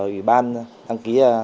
ủy ban đăng ký